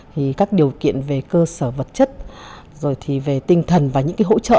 thì các điều kiện về cơ sở vật chất rồi thì về tinh thần và những cái hỗ trợ